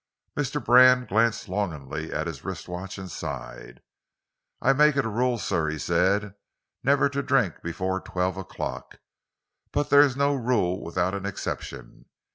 Mr. Brand glanced longingly at his wrist watch and sighed. "I make it a rule, sir," he said, "never to drink before twelve o'clock, but there is no rule without an exception.